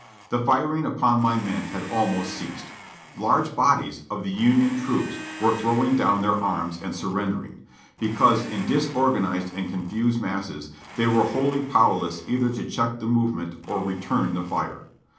The firing upon my men had almost ceased. Large bodies of the Union troops were throwing down their arms and surrendering, because in disorganized and confused masses they were wholly powerless either to check the movement or return the fire.